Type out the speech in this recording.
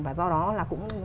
và do đó là cũng